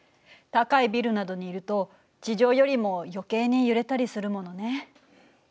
高いビルなどにいると地上よりも余計に揺れたりするものね。